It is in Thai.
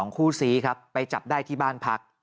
คู่ซีครับไปจับได้ที่บ้านพัก